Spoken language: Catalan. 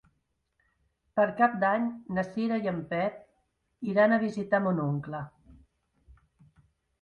Per Cap d'Any na Cira i en Pep iran a visitar mon oncle.